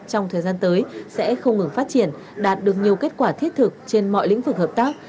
trong thời gian tới sẽ không ngừng phát triển đạt được nhiều kết quả thiết thực trên mọi lĩnh vực hợp tác